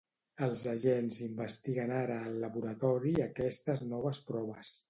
Els agents investiguen ara al laboratori aquestes noves proves